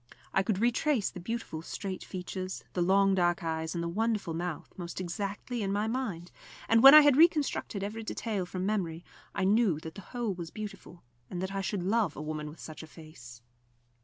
I could retrace the beautiful straight features, the long dark eyes and the wonderful mouth, most exactly in my mind, and, when I had reconstructed every detail from memory, I knew that the whole was beautiful, and that I should love a woman with such a face.